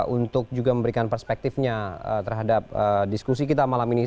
untuk juga memberikan perspektifnya terhadap diskusi kita malam ini